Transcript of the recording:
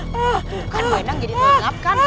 bukan bu enang jadi tuh ingat kan